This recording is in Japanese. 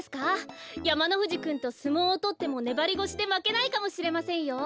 やまのふじくんとすもうをとってもねばりごしでまけないかもしれませんよ。